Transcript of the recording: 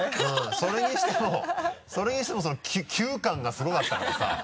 それにしてもそれにしてもその急感がすごかったからさ。